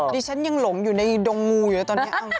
ดิฉันยังหลงอยู่ในดงงูอยู่แล้วตอนนี้